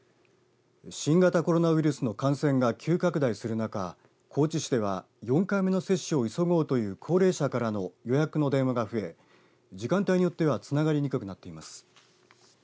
新型コロナウイルスの感染が急拡大する中、高知市では４回目の接種を急ごうという高齢者からの予約の電話が増え時間帯によってはつながりにくくなっています。